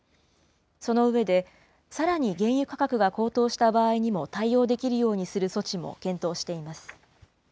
その上で、さらに原油価格が高騰した場合にも対応できるようにする措置も検討しています。